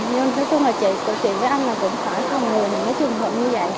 nhưng tôi chú là chị tôi chuyện với anh là cũng phải cho người mình cái trường hợp như vậy